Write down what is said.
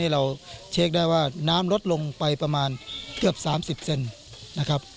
เราเช็คได้ว่าน้ำลดลงไปประมาณเกือบ๓๐เซนนะครับ